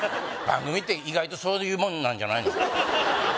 番組って意外とそういうもんなんじゃないの？